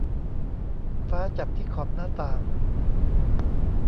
ฟ้าจับที่ขอบหน้าต่าง